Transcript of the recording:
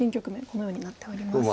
このようになっております。